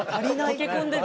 溶け込んでる。